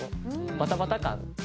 バタバタ感。